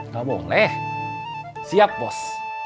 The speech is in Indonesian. gak boleh siap bos